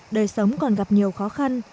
đời sống còn gặp nhiều khó khăn